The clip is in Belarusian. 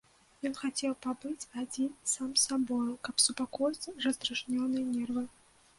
Ён хацеў пабыць адзін сам з сабою, каб супакоіць раздражнёныя нервы.